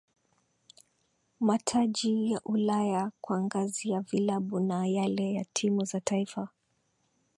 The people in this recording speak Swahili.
Mataji ya Ulaya kwa ngazi ya vilabu na yale ya timu za taifa